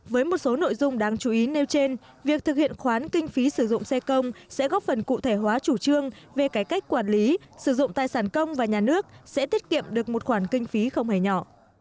với một số nội dung đáng chú ý nêu trên việc thực hiện khoán kinh phí sử dụng xe công sẽ góp phần cụ thể hóa chủ trương về cải cách quản lý sử dụng tài sản công và nhà nước sẽ tiết kiệm được một khoản kinh phí không hề nhỏ